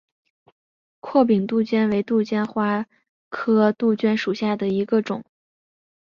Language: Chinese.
阔柄杜鹃为杜鹃花科杜鹃属下的一个种。